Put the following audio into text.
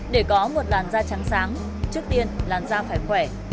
để có một làn da trắng trước tiên làn da phải khỏe